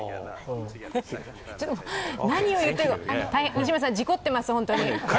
西村さん、事故ってます、本当に。